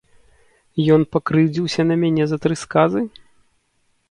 Ён пакрыўдзіўся на мяне за тры сказы?